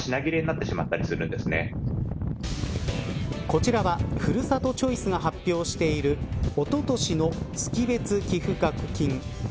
こちらはふるさとチョイスが発表しているおととしの月別寄付額金。